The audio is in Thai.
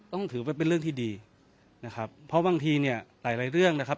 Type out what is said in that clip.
ต้องถือว่าเป็นเรื่องที่ดีนะครับเพราะบางทีเนี่ยหลายหลายเรื่องนะครับ